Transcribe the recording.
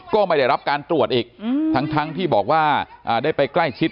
ก็ไม่ได้รับการตรวจอีกทั้งที่บอกว่าได้ไปใกล้ชิด